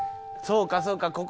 そうかそうか。